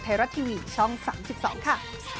ไทยรัฐทีวีช่อง๓๒ค่ะ